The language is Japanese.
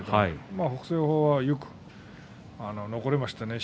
北青鵬、よく残りましたね